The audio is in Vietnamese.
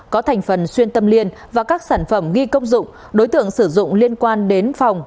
có thành phần xuyên tâm liên và các sản phẩm ghi công dụng đối tượng sử dụng liên quan đến phòng